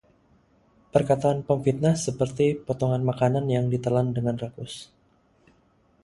Perkataan pemfitnah seperti potongan makanan yang ditelan dengan rakus;